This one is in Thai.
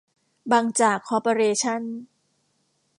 บางจาก คอร์ปอเรชั่น